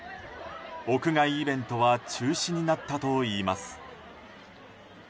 屋外イベントは中止になったといいます。